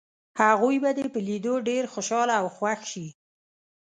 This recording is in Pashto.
هغوی به دې په لیدو ډېر خوشحاله او خوښ شي.